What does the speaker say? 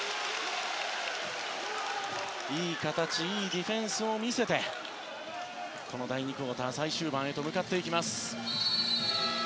いい形、いいディフェンスを見せてこの第２クオーター最終盤へと向かっていきます。